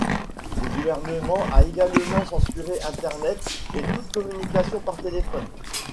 Le gouvernement a également censuré Internet et toute communication par téléphone.